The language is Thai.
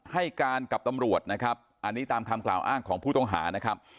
ให้การกับตำรวจนะครับอันนี้ตามคำกล่าวอ้างของผู้ต้องหานะครับ